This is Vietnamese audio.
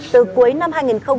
từ cuối năm hai nghìn hai mươi một